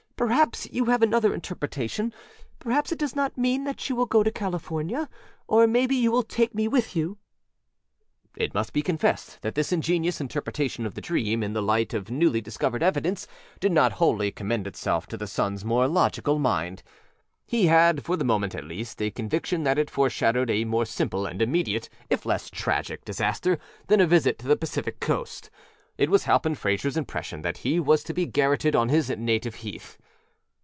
Perhaps you have another interpretation. Perhaps it does not mean that you will go to California. Or maybe you will take me with you?â It must be confessed that this ingenious interpretation of the dream in the light of newly discovered evidence did not wholly commend itself to the sonâs more logical mind; he had, for the moment at least, a conviction that it foreshadowed a more simple and immediate, if less tragic, disaster than a visit to the Pacific Coast. It was Halpin Frayserâs impression that he was to be garroted on his native heath.